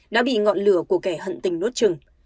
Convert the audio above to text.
đã bị ngọn lửa của kẻ hận tình đốt trừng